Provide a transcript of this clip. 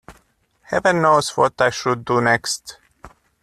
Heaven knows what I should do next.